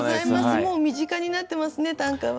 もう身近になってますね短歌は。